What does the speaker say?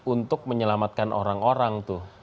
untuk menyelamatkan orang orang